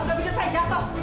udah bikin saya jatuh